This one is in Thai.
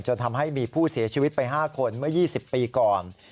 ทำให้มีผู้เสียชีวิตไป๕คนเมื่อ๒๐ปีก่อน